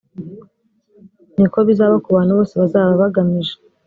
ni ko bizaba ku bantu bose bazaba bagamije